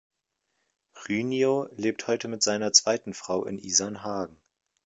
Rynio lebt heute mit seiner zweiten Frau in Isernhagen.